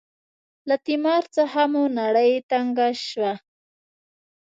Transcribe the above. له تیمار څخه مو نړۍ تنګه شوه.